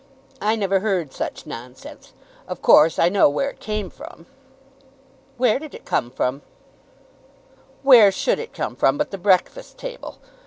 I never heard such nonsense. Of course I know where it came from." "Where did it come from?" "Where should it come from but the 'Breakfast Table'?